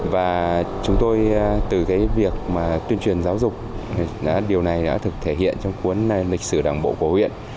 và chúng tôi từ việc tuyên truyền giáo dục điều này đã thực thể hiện trong cuốn lịch sử đảng bộ của huyện